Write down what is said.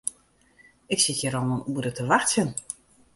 Ik sit hjir al in oere te wachtsjen.